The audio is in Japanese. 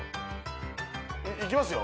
いきますよ？